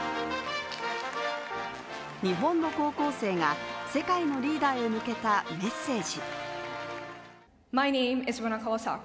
日本の高校生が世界のリーダーへ向けたメッセージ。